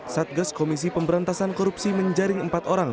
satgas komisi pemberantasan korupsi menjaring empat orang